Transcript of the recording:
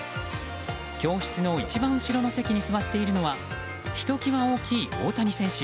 教室の一番後ろの席に座っているのはひときわ大きい大谷選手